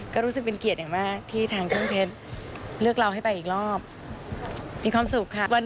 ก็รู้สึกเป็นเกียรติอย่างมากที่ทางกล้องเพชรเลือกเราให้ไปอีกรอบมีความสุขค่ะ